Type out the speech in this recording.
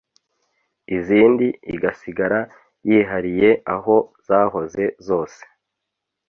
izindi igasigara yihariye aho zahoze zose.